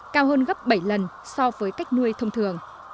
cao hơn gấp bảy lần so với cách nuôi thông thường